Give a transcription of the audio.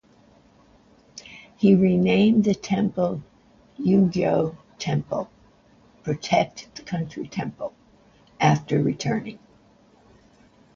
He renamed the temple "Huguo Temple" (Protect the Country Temple) after returning.